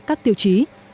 các tiêu chí